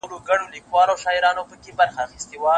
او رنګین بیرغ رپیږي په کتار کي د سیالانو